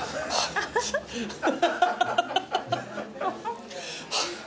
アハハハハ。